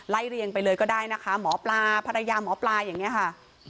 เรียงไปเลยก็ได้นะคะหมอปลาภรรยาหมอปลาอย่างนี้ค่ะ